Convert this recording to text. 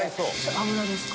油ですか？